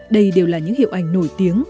đây đều là những hiệu ảnh nổi tiếng